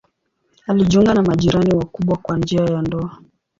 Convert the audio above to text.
Alijiunga na majirani wakubwa kwa njia ya ndoa.